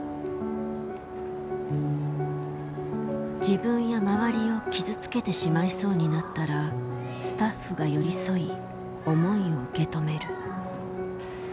自分や周りを傷つけてしまいそうになったらスタッフが寄り添い思いを受け止める。